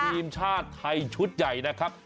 ทีมชาติไทยชุดใหญ่นะครับ